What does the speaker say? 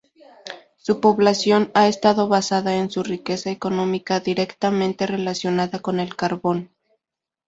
Su población ha estado basada en su riqueza económica, directamente relacionada con el carbón.